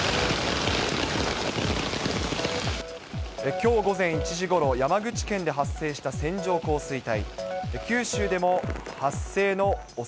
きょう午前１時ごろ、山口県で発生した線状降水帯。